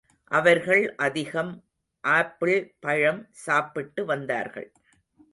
அவர்கள் அதிகம் ஆப்பிள் பழம் சாப்பிட்டு வந்தார்கள்.